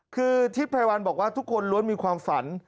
คือทิพย์ไพรวัลบอกว่าทุกคนล้วนมีความฝัน